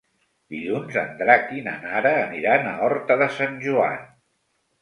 Dilluns en Drac i na Nara aniran a Horta de Sant Joan.